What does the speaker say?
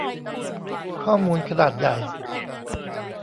ข้อมูลขนาดใหญ่